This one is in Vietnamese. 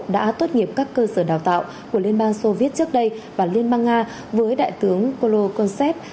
đã tốt nghiệp các cơ sở đào tạo của liên bang soviet trước đây và liên bang nga với đại tướng colo consev